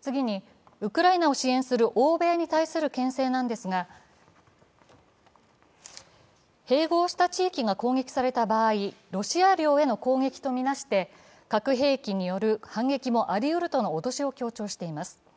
次に、ウクライナを支援する欧米に対するけん制なんですが、併合した地域が攻撃された場合、ロシア領への攻撃とみなして、核兵器による反撃もありうるとの脅しを強調しています。